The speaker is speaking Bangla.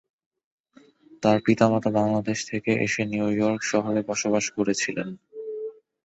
তার পিতা মাতা বাংলাদেশ থেকে এসে নিউ ইয়র্ক শহরে বসবাস করছিলেন।